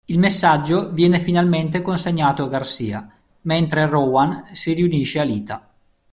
Il messaggio viene finalmente consegnato a Garcia, mentre Rowan si riunisce a Lita.